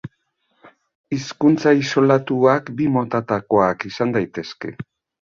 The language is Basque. Hizkuntza isolatuak bi motatakoak izan daitezke.